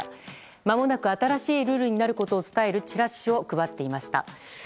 まもなく新しいルールになることを伝えるチラシを配っていました。